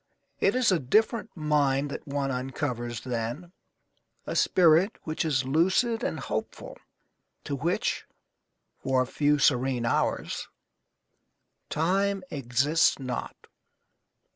It is a different mind that one uncovers then, a spirit which is lucid and hopeful, to which (for a few serene hours) time exists not.